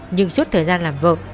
nhưng suốt thời gian làm vợ